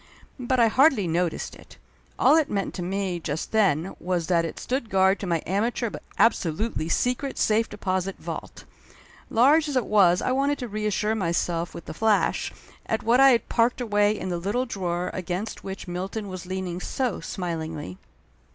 But I hardly noticed it. All it meant to me just then was that it stood guard to my amateur but absolutely secret safe deposit vault. Large as it was I wanted to reassure myself with a flash at what I had parked away in the little drawer against which Milton was leaning so smilingly.